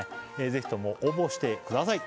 ぜひとも応募してください